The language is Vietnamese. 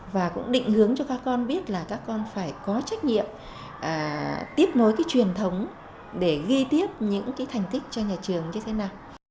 và cũng định hướng cho các con biết là các con phải có trách nhiệm tiếp nối cái truyền thống để ghi tiếp những cái thành tích cho nhà trường như thế nào